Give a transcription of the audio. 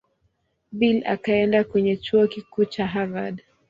Bill akaenda kwenye Chuo Kikuu cha Harvard.